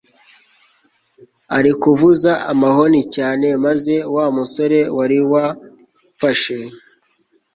ari kuvuza amahoni cyane maze wa musore wari wamfashe